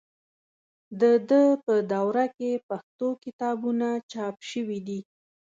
د ده په دوره کې پښتو کتابونه چاپ شوي دي.